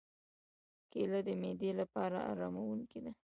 کېله د معدې لپاره آراموونکې ده.